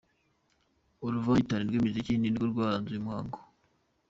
Uruvangitirane rw'imiziki nirwo rwaranze uyu muhango.